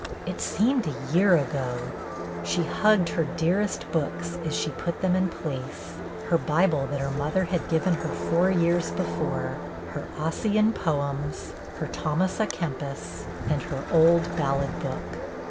It seemed a year ago ! She hugged her dearest books as she put them in place: her Bible that her mother had given her four years before, her Ossian poems, her Thomas a Kempis, and her old ballad book.